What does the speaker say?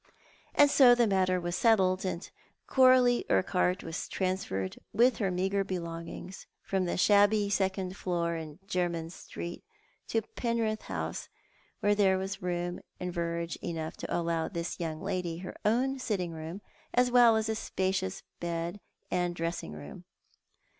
And so the matter was settled, and Coralie TJrquhart was transferred with her meagre belongings from the shabby second floor in Jermyn Street to Penrith ITouse, where there was room and verge enough to allow this young lady her own sitting room, as well as a spacious bed and dressing room.